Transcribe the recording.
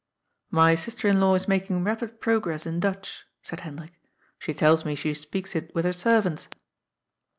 " My sister in law is making rapid progress in Dutch," said Hendrik. ^^ She tells me she speaks it with her serv ants."